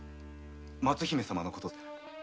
松姫様の事です。